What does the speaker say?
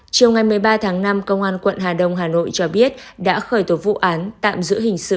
chiều ngày một mươi ba tháng năm công an quận hà đông hà nội cho biết đã khởi tố vụ án tạm giữ hình sự